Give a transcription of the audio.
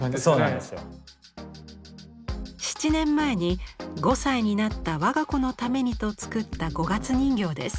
７年前に５歳になった我が子のためにと作った五月人形です。